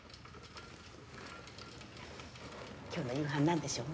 今日の夕飯なんでしょうね？